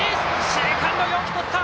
セカンド、よくとった！